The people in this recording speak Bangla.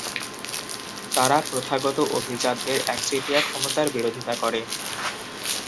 তারা প্রথাগত অভিজাতদের একচেটিয়া ক্ষমতার বিরোধিতা করে।